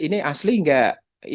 ini asli enggak